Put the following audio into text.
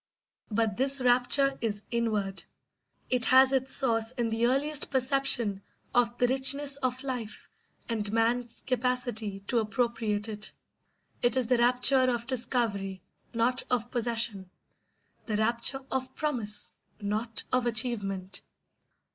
But this rapture is inward; it has its source in the earliest perception of the richness of life and man's capacity to appropriate it. It is the rapture of discovery, not of possession; the rapture of promise, not of achievement.